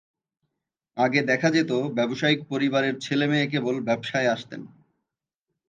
আগে দেখা যেত, ব্যবসায়িক পরিবারের ছেলেমেয়ে কেবল ব্যবসায় আসতেন।